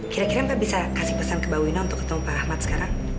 kira kira mbak bisa kasih pesan ke mbak wina untuk ketemu pak ahmad sekarang